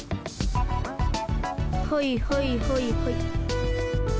ほいほいほいほい。